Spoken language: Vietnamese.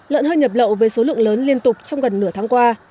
lợn hơi nhập lậu với số lượng lớn liên tục trong gần nửa tháng qua